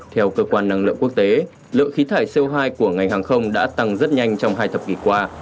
theo cơ quan năng lượng quốc tế lượng khí thải co hai của ngành hàng không đã tăng rất nhanh trong hai thập kỷ qua